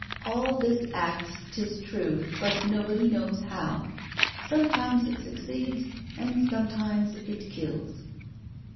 All this acts, 'tis true, but nobody knows how. Sometimes it succeeds, and sometimes it kills."